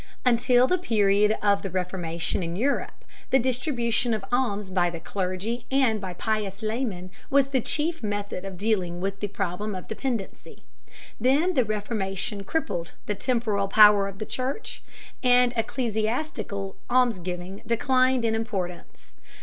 Until the period of the Reformation in Europe, the distribution of alms by the clergy and by pious laymen was the chief method of dealing with the problem of dependency. Then the Reformation crippled the temporal power of the Church, and ecclesiastical almsgiving declined in importance.